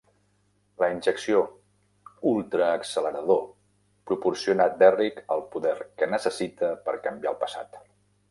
La injecció "ultraaccelerador" proporciona Derrick el poder que necessita per canviar el passat.